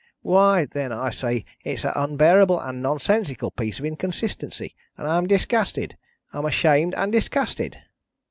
Why, then I say it's a unbearable and nonsensical piece of inconsistency, and I'm disgusted. I'm ashamed and disgusted!"